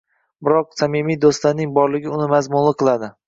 biroq samimiy do‘stlarning borligi uni mazmunli qiladi.